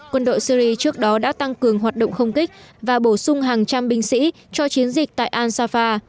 quân đội syri trước đó đã tăng cường hoạt động không kích và bổ sung hàng trăm binh sĩ cho chiến dịch tại ansafa